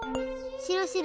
しろしろ。